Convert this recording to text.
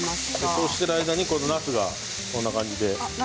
そうしている間になすがこんな感じで。